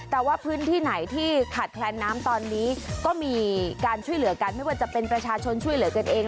แต่ว่าพื้นที่ไหนที่ขาดแคลนน้ำตอนนี้ก็มีการช่วยเหลือกันไม่ว่าจะเป็นประชาชนช่วยเหลือกันเอง